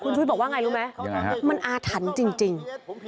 คุณชุวิตบอกว่าไงรู้ไหมมันอาถันจริง